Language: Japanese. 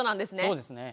そうですね。